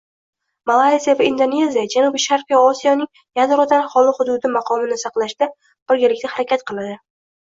Malayziya va Indoneziya Janubi-sharqiy Osiyoning yadrodan holi hududi maqomini saqlashda birgalikda harakat qilading